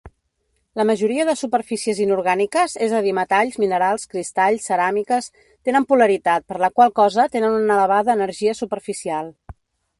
La majoria de superfícies inorgàniques, és a dir metalls, minerals, cristalls, ceràmiques, tenen polaritat, per la qual cosa tenen una elevada energia superficial.